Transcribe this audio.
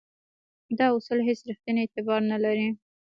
دا اصول هیڅ ریښتینی اعتبار نه لري.